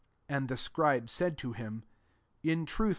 32 And the scribe said to him, *' In truth.